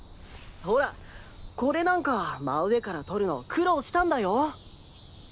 ほらこれなんか真上から撮るの苦労したんだよ！